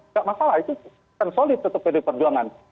nggak masalah itu kan solid tetap pd perjuangan